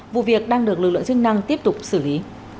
vụ việc đang được lực lượng chức năng tiếp tục xử lý